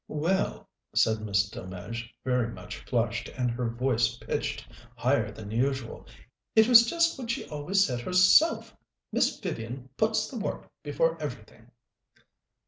"Well," said Miss Delmege, very much flushed, and her voice pitched higher than usual, "it was just what she's always said herself. Miss Vivian puts the work before everything."